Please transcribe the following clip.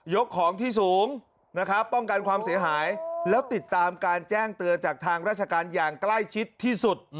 ของที่สูงนะครับป้องกันความเสียหายแล้วติดตามการแจ้งเตือนจากทางราชการอย่างใกล้ชิดที่สุด